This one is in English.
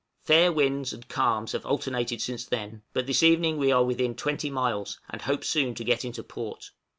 Fair winds and calms have alternated since then, but this evening we are within 20 miles, and hope soon to get into port.